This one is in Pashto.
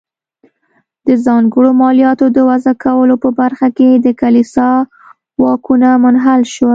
د ځانګړو مالیاتو د وضع کولو په برخه کې د کلیسا واکونه منحل شول.